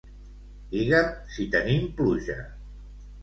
Digue'm si tenim pluja.